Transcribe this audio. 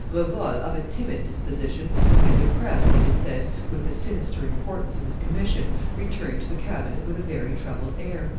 Revol, of a timid disposition, and impressed, it is said, with the sinister importance of his commission, returned to the cabinet with a very troubled air.